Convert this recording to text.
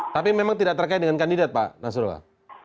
tapi memang tidak terkait dengan kandidat pak nasrullah